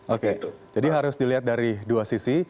oke jadi harus dilihat dari dua sisi